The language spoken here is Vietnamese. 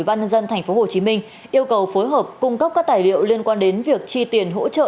ban nhân dân tp hcm yêu cầu phối hợp cung cấp các tài liệu liên quan đến việc chi tiền hỗ trợ